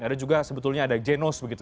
ada juga sebetulnya ada genos begitu